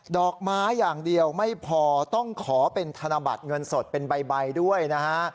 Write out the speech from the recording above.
ดอกไม้อย่างเดียวไม่พอต้องขอเป็นธนบัตรเงินสดเป็นใบด้วยนะฮะ